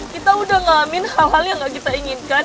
kita udah ngamin hal hal yang gak kita inginkan